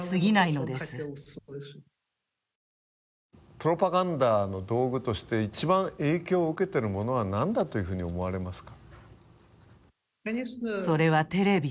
プロパガンダの道具として一番影響を受けているものは何だと思われますか？